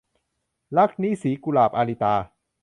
รักนี้สีกุหลาบ - อาริตา